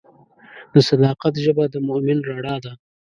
د صداقت ژبه د مؤمن رڼا ده.